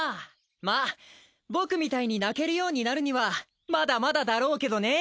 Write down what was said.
まあ僕みたいに鳴けるようになるにはまだまだだろうけどねぇ。